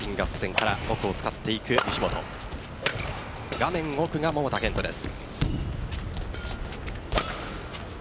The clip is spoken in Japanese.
画面奥が桃田賢斗です。